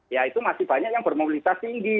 ya itu masih banyak yang bermobilitas tinggi